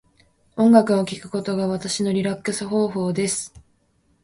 音楽を聴くことが私のリラックス方法です。